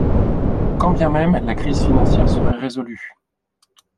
Quand bien même la crise financière serait résolue.